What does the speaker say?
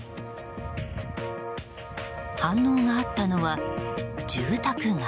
反応があったのは住宅街。